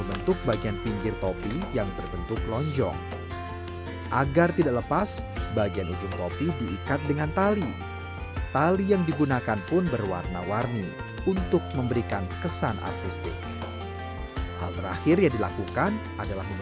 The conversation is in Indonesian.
untuk sasando fungsinya adalah sebagai resonansi bunyi